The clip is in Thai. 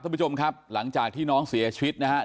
ท่านผู้ชมครับหลังจากที่น้องเสียชี้นนะครับ